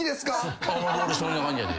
俺そんな感じやで。